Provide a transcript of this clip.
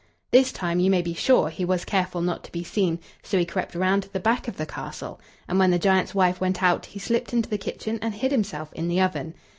This time, you may be sure, he was careful not to be seen; so he crept round to the back of the castle, and when the giant's wife went out he slipped into the kitchen and hid himself in the oven.